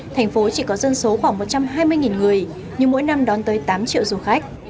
thành phố chỉ có dân số khoảng một trăm hai mươi người nhưng mỗi năm đón tới tám triệu du khách